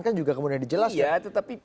kan juga kemudian dijelasin iya tetapi